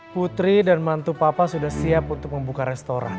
putri dan mantu papa sudah siap untuk membuka restoran